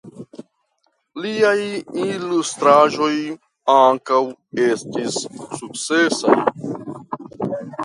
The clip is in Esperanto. Liaj ilustraĵoj ankaŭ estis sukcesaj.